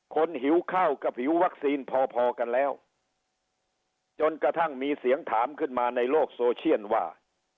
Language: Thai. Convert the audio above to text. หิวข้าวกับหิววัคซีนพอพอกันแล้วจนกระทั่งมีเสียงถามขึ้นมาในโลกโซเชียลว่า